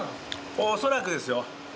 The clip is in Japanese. おそらくですよ